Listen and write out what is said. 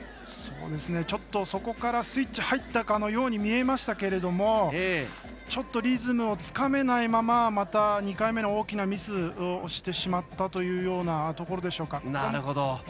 ちょっと、そこからスイッチ入ったかのように見えましたけれどもちょっとリズムをつかめないまままた２回目の大きなミスをしてしまったというようなところでしょうか。